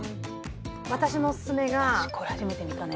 私のおすすめが私これ初めて見たね